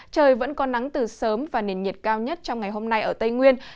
trời vẫn có nắng từ sớm và nền nhiệt cao nhất trong ngày hôm nay ở tây nguyên